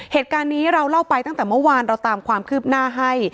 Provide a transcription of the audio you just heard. เหตุการณ์นี้เราเล่าไปตั้งแต่เมื่อวานเราตามความคืบหน้าให้